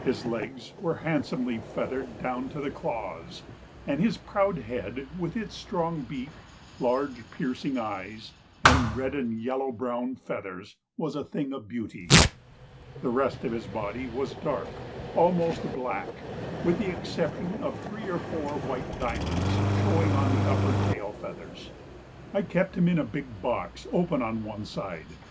His legs were handsomely feathered down to the claws, and his proud head, with its strong beak, large, piercing eyes, and red and yellow brown feathers, was a thing of beauty. The rest of his body was dark, almost black, with the exception of three or four white diamonds showing on the upper tail feathers. I kept him in a big box open on one side.